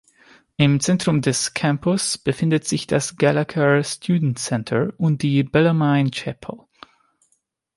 Im Zentrum des Campus befinden sich das Gallagher Student Center und die Bellarmine Chapel.